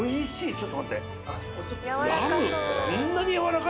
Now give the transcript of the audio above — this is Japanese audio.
ちょっと待って。